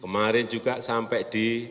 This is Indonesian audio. kemarin juga sampai di